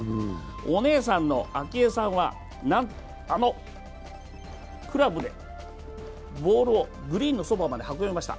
お姉さんの明愛さんはなんとあのクラブでボールをグリーンのそばまで運びました。